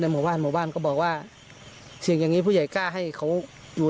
หมู่บ้านหมู่บ้านก็บอกว่าเสียงอย่างนี้ผู้ใหญ่กล้าให้เขาอยู่